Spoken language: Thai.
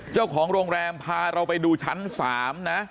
เจ้าของโรงแรมพาเราไปดูชั้น๓นะ